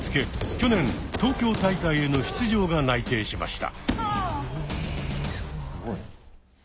去年東京大会への出場が内定しました。